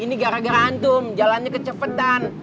ini gara gara antum jalannya kecepatan